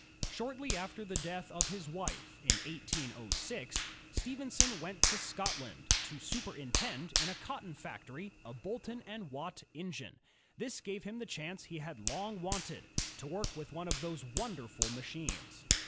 Shortly after the death of his wife in 1806, Stephenson went to Scotland, to superintend, in a cotton factory, a Boulton and Watt engine. This gave him the chance he had long wanted, to work with one of those wonderful machmes.